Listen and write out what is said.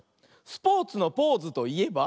スポーツのポーズといえば？